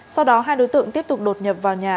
sau đó hai đối tượng tiếp tục đột nhập vào nhà